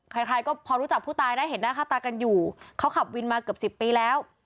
ใครใครก็พอรู้จักผู้ตายได้เห็นหน้าค่าตากันอยู่เขาขับวินมาเกือบสิบปีแล้ว